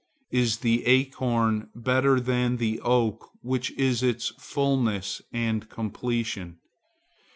Is the acorn better than the oak which is its fulness and completion?